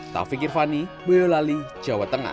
taufik irvani boyolali jawa tengah